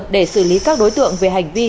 để xử lý các đối tượng về hành vi